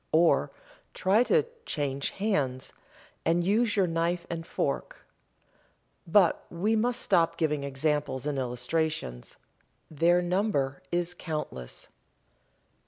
Or, try to "change hands" and use your knife and fork. But we must stop giving examples and illustrations. Their number is countless.